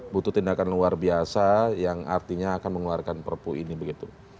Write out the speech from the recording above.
butuh tindakan luar biasa yang artinya akan mengeluarkan perpu ini begitu